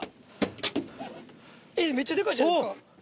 えっめっちゃデカいじゃないですか。